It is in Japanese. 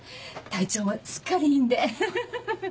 体調もすっかりいいんでフフフ。